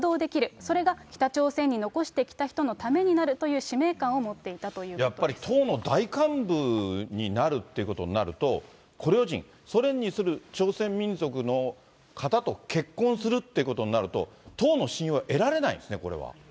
それが北朝鮮に残してきた人のためになるという使命感を持っていやっぱり党の大幹部になるっていうことになると、コリョ人、ソ連に住む朝鮮民族の方と結婚するっていうことになると、党の信用は得られないんですね、これは。